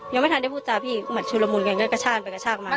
ยังไม่ทันได้พูดจาพี่เหมือนชุดละมุนไงก็กระชากไปกระชากมา